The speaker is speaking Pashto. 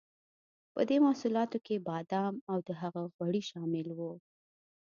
په دې محصولاتو کې بادام او د هغه غوړي شامل وو.